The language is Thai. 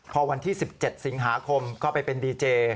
พอวันที่๑๗สิงหาคมก็ไปเป็นดีเจ